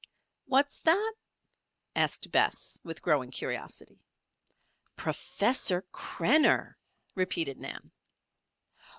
"What's that?" asked Bess, with growing curiosity. "Professor Krenner," repeated Nan.